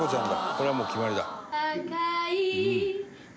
これはもう決まりだ」